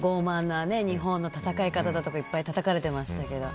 日本の戦い方とかいっぱいたたかれてましたけど。